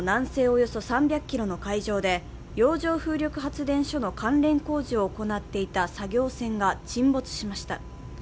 およそ３００ｋｍの海上で洋上風力発電所の関連工事を行っていた作業船が沈没しました。